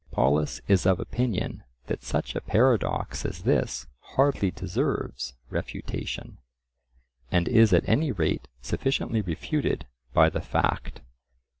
Polus is of opinion that such a paradox as this hardly deserves refutation, and is at any rate sufficiently refuted by the fact.